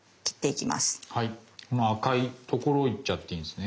この赤いところを行っちゃっていいんですね。